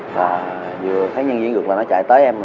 và vừa thấy nhân viên gượt là nó chạy tới em